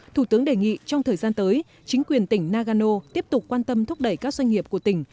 thủ tướng đề nghị trong thời gian tới chính quyền tỉnh nagano tiếp tục quan tâm thúc đẩy các doanh nghiệp của tỉnh